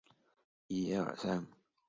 鞭枝悬藓为蔓藓科悬藓属下的一个种。